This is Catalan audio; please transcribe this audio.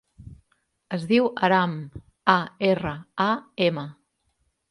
Es diu Aram: a, erra, a, ema.